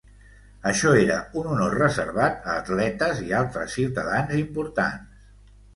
Això era un honor reservat a atletes i a altres ciutadans importants.